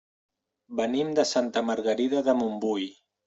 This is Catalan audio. Venim de Santa Margarida de Montbui.